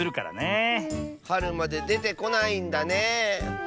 はるまででてこないんだねえ。